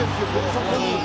そこに。